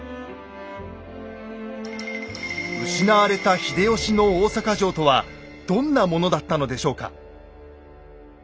失われた秀吉の大坂城とはどんなものだったのでしょうか。